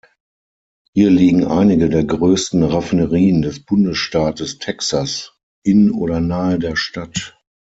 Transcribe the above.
Hier liegen einige der größten Raffinerien des Bundesstaates Texas in oder nahe der Stadt.